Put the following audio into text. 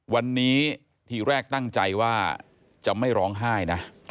วันนี้ทีแรกตั้งใจว่าจะไม่ร้องไห้นะ